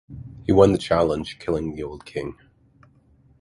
He won the challenge, killing the old king.